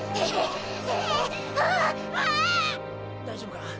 大丈夫か？